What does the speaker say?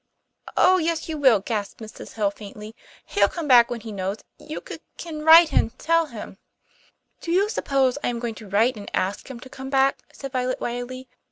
"Oh, yes, you will," gasped Mrs. Hill faintly. "He'll come back when he knows you c can write and tell him " "Do you suppose I am going to write and ask him to come back?" said Violet wildly.